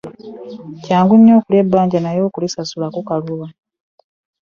Kyangu nnyo okulya ebbanja naye okulisasula kukaluba.